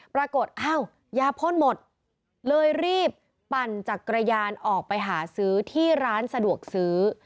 ปรากฏอ้าวยาพ่นหมดเลยรีบปั่นจักรยานออกไปหาซื้อที่ร้านสะดวกซื้อ